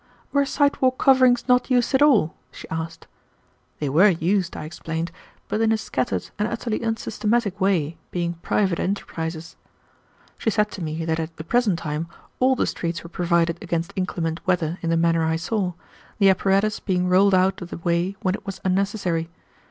"Were sidewalk coverings not used at all?" she asked. They were used, I explained, but in a scattered and utterly unsystematic way, being private enterprises. She said to me that at the present time all the streets were provided against inclement weather in the manner I saw, the apparatus being rolled out of the way when it was unnecessary.